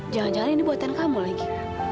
jangan jangan ini buatan kamu lagi